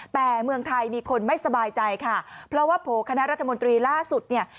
แต่เมืองไทยมีคนไม่สบายใจค่ะเพราะว่าโผล่คณะรัฐมนตรีล่าสุดเนี่ย